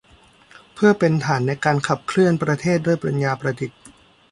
เพื่อเป็นฐานในการขับเคลื่อนประเทศด้วยปัญญาประดิษฐ์